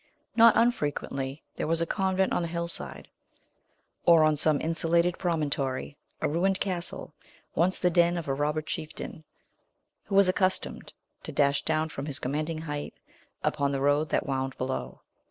Not unfrequently there was a convent on the hillside; or, on some insulated promontory, a mined castle, once the den of a robber chieftain, who was accustomed to dash down from his commanding height upon the road that wound below.